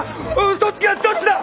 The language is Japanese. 嘘つきはどっちだ！